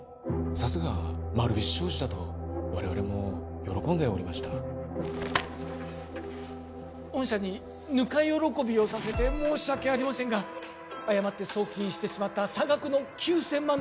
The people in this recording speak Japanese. さすが丸菱商事だと我々も喜んでおりました御社にぬか喜びをさせて申し訳ありませんが誤って送金してしまった差額の９千万ドル